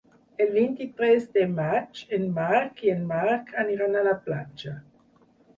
El vint-i-tres de maig en Marc i en Marc aniran a la platja.